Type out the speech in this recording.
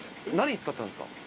何に使ってたんですか？